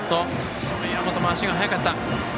その岩本も、足が速かった。